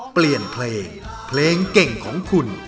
เปลี่ยนเพลงเพลงเก่งของคุณ